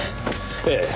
ええ。